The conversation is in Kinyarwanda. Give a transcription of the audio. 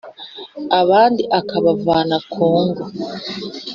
abandi akabavana ku ngo,